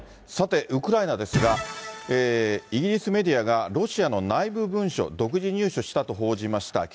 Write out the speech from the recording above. さて、ウクライナですが、イギリスメディアがロシアの内部文書、独自入手したと報じました。